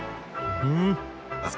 うん？